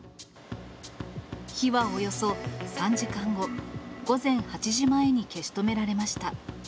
火はおよそ３時間後、午前８時前に消し止められました。